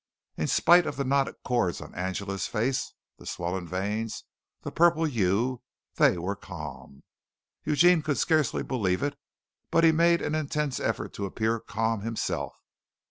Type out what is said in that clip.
In spite of the knotted cords on Angela's face, the swollen veins, the purple hue, they were calm. Eugene could scarcely believe it, but he made an intense effort to appear calm himself.